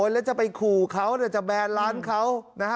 แล้วจะไปขู่เขาจะแบนร้านเขานะฮะ